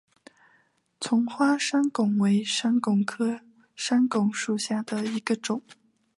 丛花山矾为山矾科山矾属下的一个种。